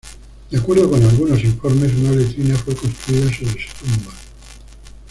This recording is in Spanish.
De acuerdo con algunos informes una letrina fue construida sobre su tumba.